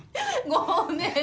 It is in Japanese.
ごめん。